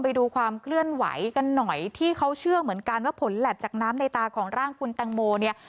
ไปดูความเคลื่อนไหวกันหน่อยที่เขาเชื่อเหมือนกันว่าผลแล็บจากน้ำในตาของร่างคุณแตงโมเนี่ย